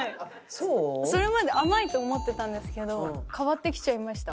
それまで甘いと思ってたんですけど変わってきちゃいました。